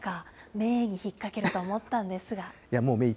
めーに引っ掛けると思ったんですが。